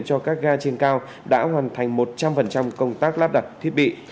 cho các ga trên cao đã hoàn thành một trăm linh công tác lắp đặt thiết bị